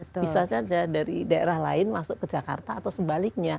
bisa saja dari daerah lain masuk ke jakarta atau sebaliknya